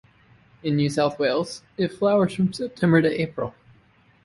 In New South Wales it flowers from September to April.